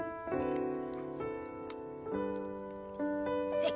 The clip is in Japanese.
はい。